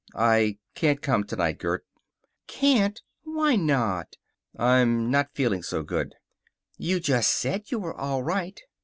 "I can't come tonight, Gert." "Can't! Why not?" "I'm not feeling so good." "You just said you were all right."